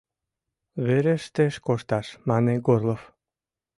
— Верештеш кошташ, — мане Горлов.